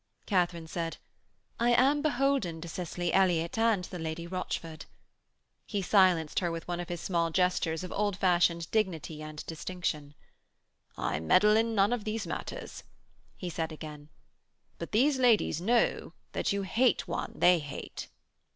Katharine said: 'I am beholden to Cicely Elliott and the Lady Rochford....' He silenced her with one of his small gestures of old fashioned dignity and distinction. 'I meddle in none of these matters,' he said again. 'But these ladies know that you hate one they hate.'